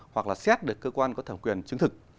hoặc là xét được cơ quan có thẩm quyền chứng thực